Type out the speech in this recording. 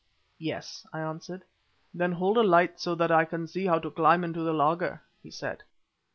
"Yes," I answered. "Then hold a light so that I can see how to climb into the laager," he said.